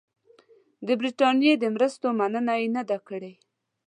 د برټانیې د مرستو مننه یې نه ده کړې.